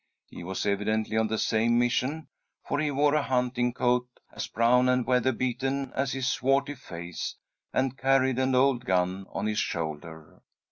He was evidently on the same mission, for he wore a hunting coat, as brown and weather beaten as his swarthy face, and carried an old gun on his shoulder.